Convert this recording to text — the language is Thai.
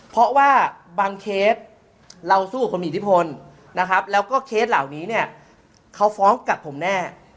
เพราะว่าบางเคสเราสู้กับคนมีอิทธิพลนะครับแล้วก็เคสเหล่านี้เนี่ยเขาฟ้องกับผมแน่